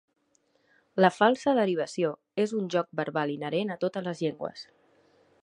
La falsa derivació és un joc verbal inherent a totes les llengües.